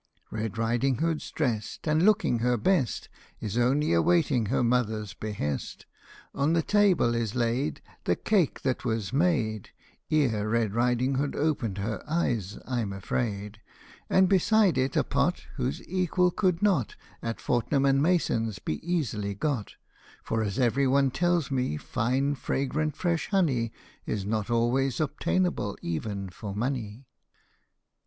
Red Riding Hood's drest, And, looking her best, Is only awaiting her mother's behest. On the table is laid The cake that was made Ere Red Riding Hood opened her eyes, I'm afraid, 31 LITTLE RED RIDING HOOD. And beside it a pot Whose equal could not At Fortnum and Mason's be easily got ; For, as every one tells me, fine fragrant fresh honey Is not always obtainable, even for money.